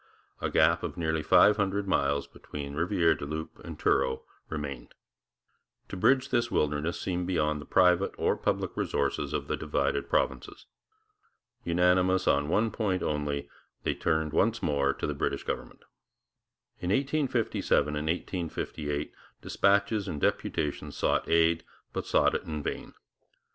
A gap of nearly five hundred miles between Rivière du Loup and Truro remained. To bridge this wilderness seemed beyond the private or public resources of the divided provinces. Unanimous on one point only, they once more turned to the British government. In 1857 and 1858 dispatches and deputations sought aid, but sought it in vain.